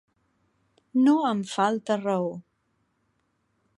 No em falta raó.